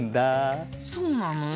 そうなの？